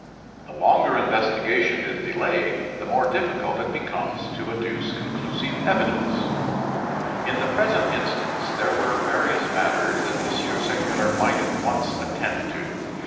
The longer investigation is delayed the more difficult it becomes to adduce conclusive evidence. In the present instance there were various matters that M. Segmuller might at once attend to.